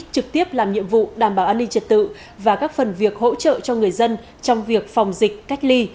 trực tiếp làm nhiệm vụ đảm bảo an ninh trật tự và các phần việc hỗ trợ cho người dân trong việc phòng dịch cách ly